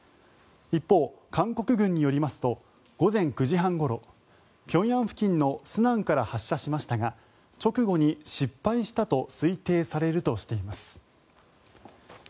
一方、韓国軍によりますと午前９時半ごろ平壌付近のスナンから発射しましたが直後に失敗したと推定されるとしています。